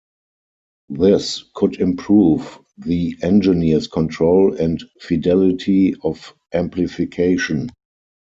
This could improve the engineer's control and fidelity of amplification.